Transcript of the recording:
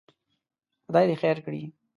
خدای دې خیر کړي.